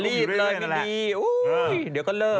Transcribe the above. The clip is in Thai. โอ้ยเดี๋ยวก็เลิก